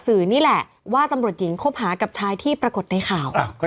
นี่แหละว่าตำรวจหญิงคบหากับชายที่ปรากฏในข่าวก็